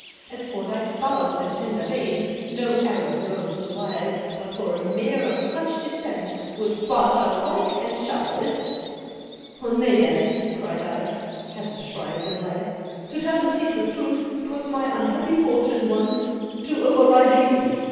As for thy spouse and tender babes, no Arab roams the wild But for a mare of such descent, would barter wife and child." "Nay then," cried I (heav'n shrive the lie!) "to tell the secret truth, 'Twas my unhappy fortune once to over ride a youth!